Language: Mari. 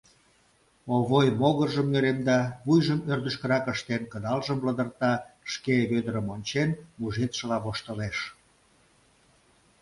Овой могыржым нӧремда, вуйжым ӧрдыжкырак ыштен, кыдалжым лыдырта, шке, Вӧдырым ончен, мужедшыла воштылеш.